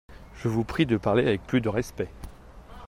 Je vous prie de parler avec plus de respect…